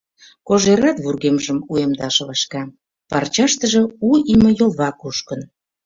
Кожерат вургемжым уэмдаш вашка: парчаштыже у име йолва кушкын.